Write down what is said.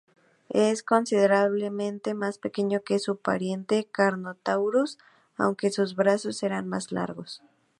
Es considerablemente más pequeño que su pariente "Carnotaurus", aunque sus brazos eran más largos.